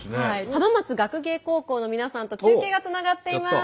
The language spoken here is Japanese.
浜松学芸高校の皆さんと中継がつながっています。